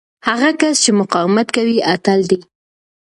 هغه کس چې مقاومت کوي، اتل دی.